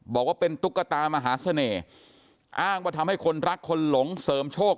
บอกว่าเป็นตุ๊กตามหาเสน่ห์อ้างว่าทำให้คนรักคนหลงเสริมโชค